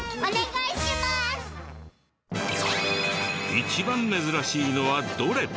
一番珍しいのはどれ？